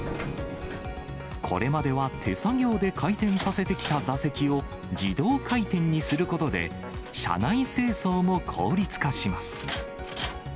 これまでは手作業で回転させてきた座席を自動回転にすることで、車内清掃も効率化します。